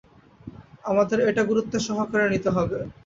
আমাদের এটা গুরুত্বসহকারে নিতে হবে।